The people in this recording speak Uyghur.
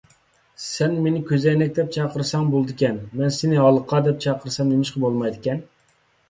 سەن مېنى «كۆزەينەك» دەپ چاقىرساڭ بولىدىكەن، مەن سېنى «ھالقا» دەپ چاقىرسام نېمىشقا بولمايدىكەن؟